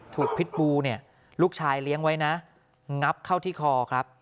พิษบูเนี่ยลูกชายเลี้ยงไว้นะงับเข้าที่คอครับ